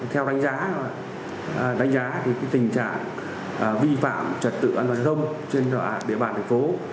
theo đánh giá tình trạng vi phạm trật tự an toàn thông trên địa bàn thành phố